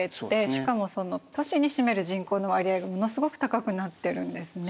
しかもその都市に占める人口の割合がものすごく高くなってるんですね。